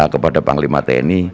kepada panglima tni